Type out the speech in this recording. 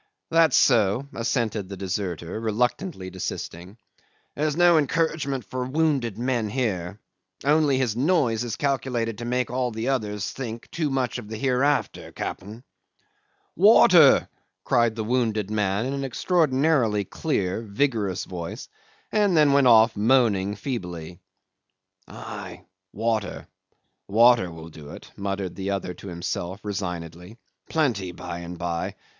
"That's so," assented the deserter, reluctantly desisting. "There's no encouragement for wounded men here. Only his noise is calculated to make all the others think too much of the hereafter, cap'n." "Water!" cried the wounded man in an extraordinarily clear vigorous voice, and then went off moaning feebly. "Ay, water. Water will do it," muttered the other to himself, resignedly. "Plenty by and by.